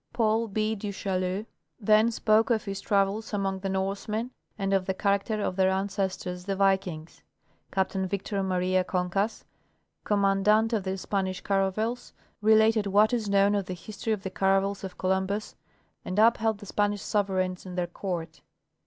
Paul B. du Chaillu then spoke of his travels among the Norsemen and of the character of their ancestors, the Vikings. Captain Victor Maria Concas, commandant of the Spanish caravels, related what is known of the histor}' of the caravels of Columbus, and upheld the Spanish sovereigns and their court.